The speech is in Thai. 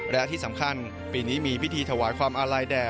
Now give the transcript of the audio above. วันนี้เป็นการขันในรอบ๑๖ทีมสุดท้ายโดยคู่ที่น่าสนใจ